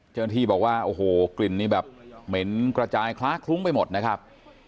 เจ้าหน้าที่บอกว่าโอ้โหกลิ่นนี่แบบเหม็นกระจายคล้าคลุ้งไปหมดนะครับ